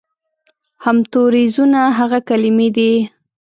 همتوریزونه هغه کلمې دي